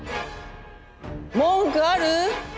文句ある！？